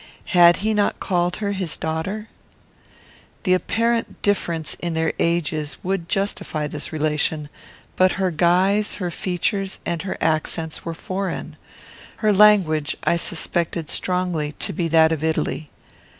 Had he not called her his daughter? The apparent difference in their ages would justify this relation; but her guise, her features, and her accents, were foreign. Her language I suspected strongly to be that of Italy.